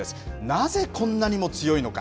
なぜこんなにも強いのか。